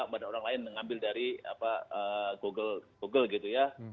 badan orang lain mengambil dari google gitu ya